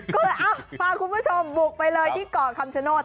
ก็เลยพาคุณผู้ชมบุกไปเลยที่เกาะคำชโนธ